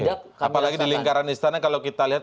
apalagi di lingkaran istana kalau kita lihat